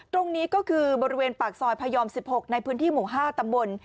ตรงนี้ก็คือบริเวณปากซอยพยอม๑๖ในพื้นที่หมู่๕ตำบล